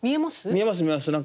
見えます見えます。